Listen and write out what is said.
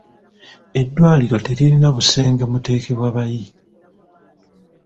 Eddwaliro teririna busenge muteekebwa bayi.